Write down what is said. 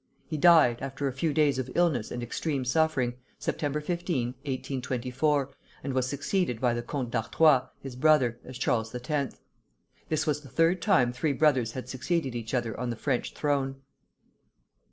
He died, after a few days of illness and extreme suffering, Sept. 15, 1824, and was succeeded by the Comte d'Artois, his brother, as Charles X. This was the third time three brothers had succeeded each other on the French throne.